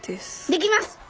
できます！